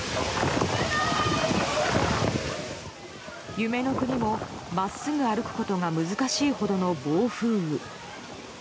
夢の国も真っすぐ歩くことが難しいほどの暴風雨。